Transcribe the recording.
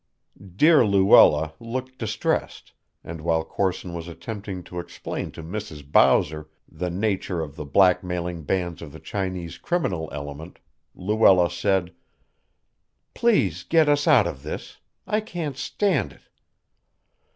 "Dear Luella" looked distressed, and while Corson was attempting to explain to Mrs. Bowser the nature of the blackmailing bands of the Chinese criminal element, Luella said: "Please get us out of this. I can't stand it."